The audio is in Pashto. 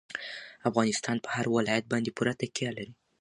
افغانستان په هرات ولایت باندې پوره تکیه لري.